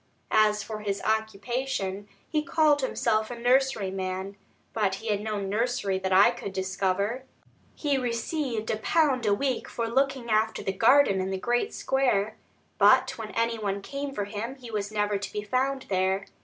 As for his occupation he called himself a nurseryman, but he had no nursery that I could discover. He received a pound a week for looking after the garden in the great square; but when any one came for him, he was never to be found there.